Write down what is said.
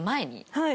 はい。